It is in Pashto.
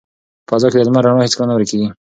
په فضا کې د لمر رڼا هیڅکله نه ورکیږي.